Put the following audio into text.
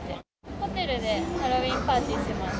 ホテルでハロウィーンパーティー